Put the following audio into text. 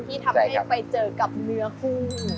ที่ทำให้ไปเจอกับเนื้อคู่